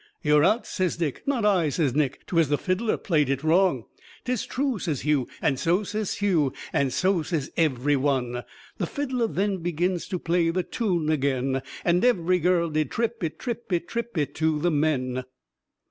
"You're out!" says Dick, "not I," says Nick, "'Twas the fiddler play'd it wrong." "'Tis true," says Hugh, and so says Sue, And so says ev'ry one; The fiddler then began To play the tune again, And ev'ry girl did trip it, trip it, Trip it to the men.